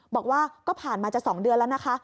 บอกว่าก็ผ่านมาจะ๒เดือนแล้วนะคะ